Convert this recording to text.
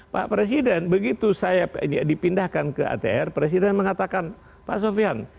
pak presiden begitu saya dipindahkan ke atr presiden mengatakan pak sofian